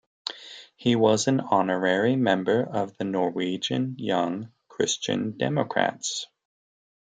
He was an honorary member of the Norwegian Young Christian Democrats.